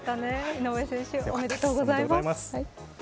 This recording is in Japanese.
井上選手おめでとうございます。